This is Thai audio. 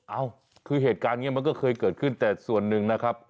เอ้าคือเหตุการณ์นี้มันก็เคยเกิดขึ้นแต่ส่วนหนึ่งนะครับ